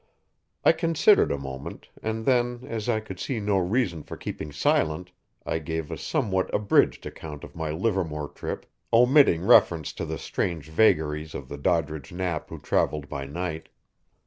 I considered a moment, and then, as I could see no reason for keeping silent, I gave a somewhat abridged account of my Livermore trip, omitting reference to the strange vagaries of the Doddridge Knapp who traveled by night.